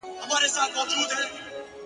زه يې په هر ټال کي اویا زره غمونه وينم؛